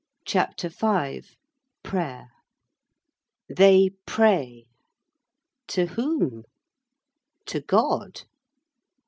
CHAPTER V—PRAYER They pray. To whom? To God.